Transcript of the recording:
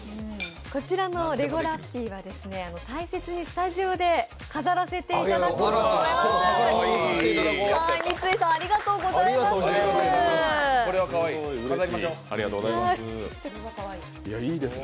こちらのレゴラッピーは大切にスタジオで飾らせていただこうと思います。